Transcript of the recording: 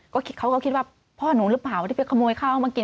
เขาก็คิดว่าพ่อหนูหรือเปล่าที่ไปขโมยข้าวมากิน